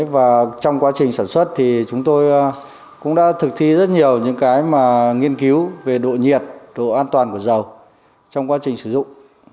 và trong quá trình sản xuất thì chúng tôi cũng đã thực thi rất nhiều những cái mà nghiên cứu về độ nhiệt độ độ an toàn của dầu trong quá trình sử dụng